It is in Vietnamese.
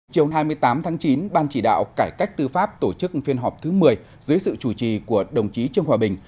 chiều hai mươi tám tháng chín ban chỉ đạo cải cách tư pháp tổ chức phiên họp thứ một mươi dưới sự chủ trì của đồng chí trương hòa bình